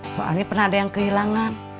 soalnya pernah ada yang kehilangan